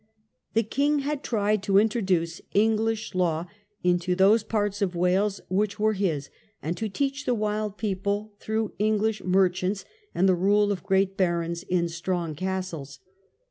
The king had tried to intro duce English law into those parts of Wales which were his, and to teach the wild people through English merchants, and the rule of great barons in strong castles.